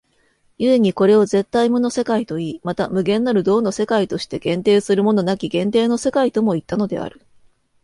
故にこれを絶対無の世界といい、また無限なる動の世界として限定するものなき限定の世界ともいったのである。